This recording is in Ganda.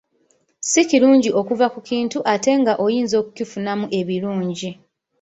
Si kirungi okuva ku kintu ate nga oyinza okukifunamu ebirungi.